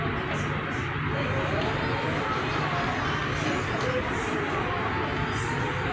ゆっくり食べてるからすげぇな。